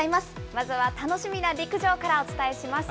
まずは楽しみな陸上からお伝えします。